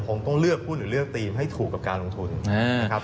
คงต้องเลือกหุ้นหรือเลือกทีมให้ถูกกับการลงทุนนะครับ